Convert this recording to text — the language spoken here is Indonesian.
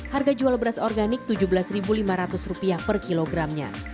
harga jual beras organik rp tujuh belas lima ratus per kilogramnya